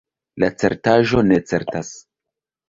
La certaĵo ne certas.